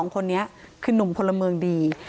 ๒คนนี้คือนุ่มพลเมืองดี